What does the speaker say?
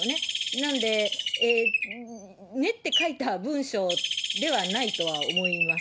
なんで、練って書いた文章ではないとは思います。